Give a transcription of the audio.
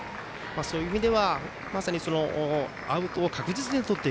そういう意味では、まさにアウトを確実にとる。